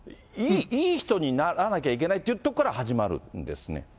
いい人にならなきゃいけないというところから始まるんですね。